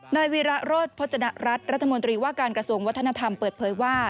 นายวีระโรธพจนรัฐรัฐรัฐมนตรีว่าการกระทรวงวัฒนธรรมเปิดเผยว่า